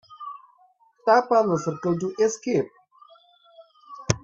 Tap on the circle to escape.